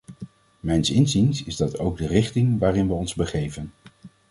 Mijns inziens is dat ook de richting waarin we ons begeven.